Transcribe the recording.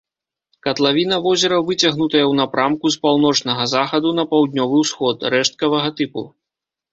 Катлавіна возера выцягнутая ў напрамку з паўночнага захаду на паўднёвы ўсход, рэшткавага тыпу.